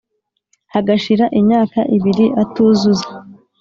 Hagashira imyaka ibiri atuzuza